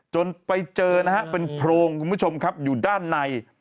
จนไปเจอนะฮะเป็นโพรงคุณผู้ชมครับอยู่ด้านใน